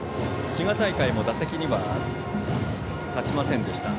滋賀大会では打席には立ちませんでした。